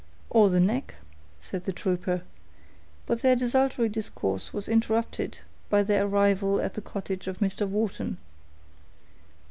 "Or the neck," said the trooper; but their desultory discourse was interrupted by their arrival at the cottage of Mr. Wharton.